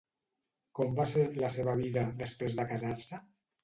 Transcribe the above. Com va ser, la seva vida, després de casar-se?